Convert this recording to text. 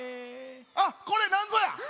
あっこれなんぞや？